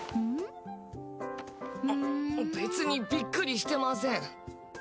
んっ別にびっくりしてません。